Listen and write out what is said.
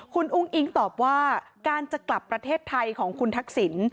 คุณอุ้งอิ๊งตอบว่าการจะกลับประเทศไทยของคุณทักษิณ